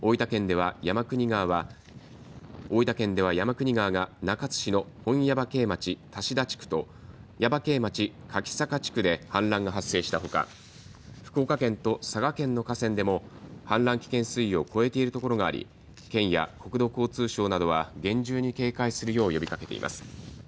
大分県では山国川が中津市の本耶馬渓町多志田地区と耶馬渓町柿坂地区で氾濫が発生したほか、福岡県と佐賀県の河川でも氾濫危険水位を超えているところがあり県や国土交通省などは厳重に警戒するよう呼びかけています。